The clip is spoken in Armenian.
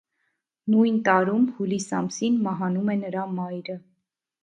Նույն տարում, հուլիս ամսին մահանում է նրա մայրը։